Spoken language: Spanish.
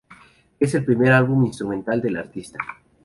Es el primer álbum instrumental del artista.